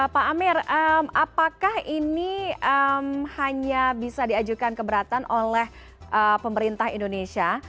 pak amir apakah ini hanya bisa diajukan keberatan oleh pemerintah indonesia